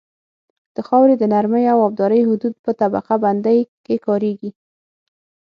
د خاورې د نرمۍ او ابدارۍ حدود په طبقه بندۍ کې کاریږي